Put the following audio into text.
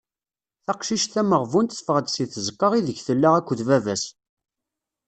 Taqcict tameɣbunt teffeɣ-d si tzeqqa ideg tella akked baba-s.